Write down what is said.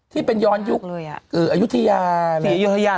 ที่เป็นย้อนยุคอายุทียา